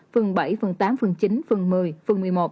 phường bảy phường tám phường chín phường một mươi phường một mươi một